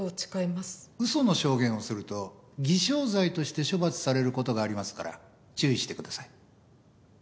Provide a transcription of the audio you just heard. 嘘の証言をすると偽証罪として処罰されることがありますから注意してください。